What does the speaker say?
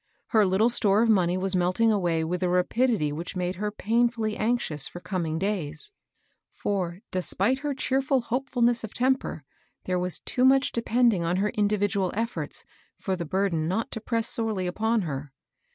Her little store of money was melting away with a rapidity which made her painfiilly anxious for coming days ; for, despite her cheerful Mabel's new employer. 99 hopeftilness of temper, there was too much depend ing on her individual eflForts, for the burden not to press sorely upon her.